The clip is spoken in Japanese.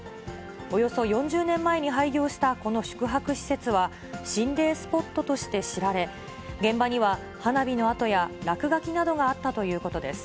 およそ４０年前に廃業したこの宿泊施設は、心霊スポットとして知られ、現場には花火の跡や落書きなどがあったということです。